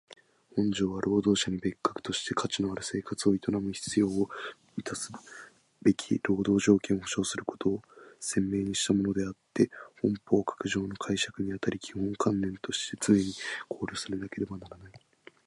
本条は労働者に人格として価値ある生活を営む必要を充すべき労働条件を保障することを宣明したものであつて本法各条の解釈にあたり基本観念として常に考慮されなければならない。